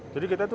jadi kita tuh